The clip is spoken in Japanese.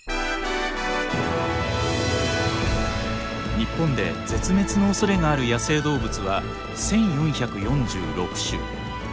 日本で絶滅のおそれがある野生動物は１，４４６種。